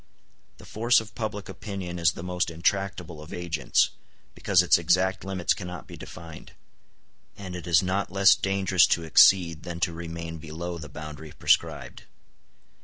The force of public opinion is the most intractable of agents, because its exact limits cannot be defined; and it is not less dangerous to exceed than to remain below the boundary prescribed.